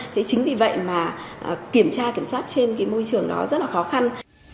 thế chính vì vậy mà kiểm tra kiểm soát trên cái môi trường đó rất là khó khăn